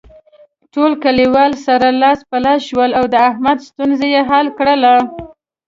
ټول کلیوال سره لاس په لاس شول او د احمد ستونزه یې حل کړله.